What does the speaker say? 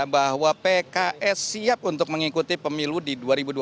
bahwa pks siap untuk mengikuti pemilu di dua ribu dua puluh